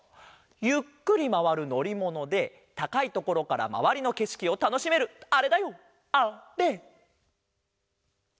ゆっくりまわるのりものでたかいところからまわりのけしきをたのしめるあれだよあれ！